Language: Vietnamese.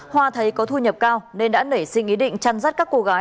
hoa thấy có thu nhập cao nên đã nảy sinh ý định chăn rắt các cô gái